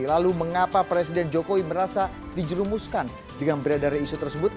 lalu mengapa presiden jokowi merasa dijerumuskan dengan beredarnya isu tersebut